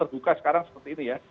terbuka sekarang seperti ini ya